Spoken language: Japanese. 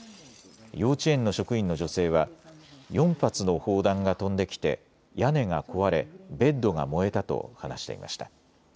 幼稚園の職員の女性は４発の砲弾が飛んできて屋根が壊れベッドが燃えたと話していました。